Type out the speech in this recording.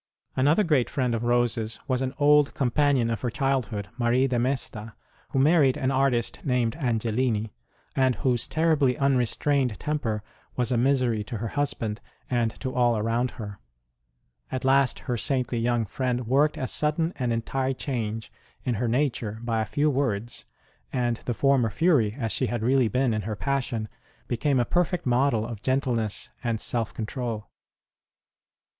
Another great friend of Rose s was an old com panion of her childhood, Marie de Mesta, who married an artist named Angellini, and whose terribly unrestrained temper was a misery to her husband and to all around her. At last her saintly young friend worked a sudden and entire HER GARDEN CELL 101 change in her nature by a few words, and the former fury as she had really been in her passion became a perfect model of gentleness and self control.